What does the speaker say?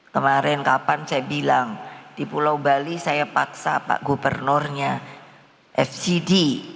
kemarin kapan saya bilang di pulau bali saya paksa pak gubernurnya fgd